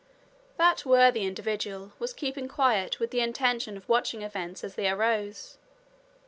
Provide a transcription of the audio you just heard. That worthy individual was keeping quiet with the intention of watching events as they arose.